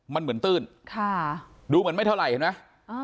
มันเหมือนตื้นดูเหมือนไม่เท่าไหร่เห็นไหม